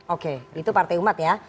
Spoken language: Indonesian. oke itu partai umat ya